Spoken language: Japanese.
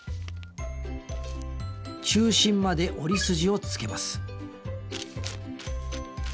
中心まで折り筋をつけます。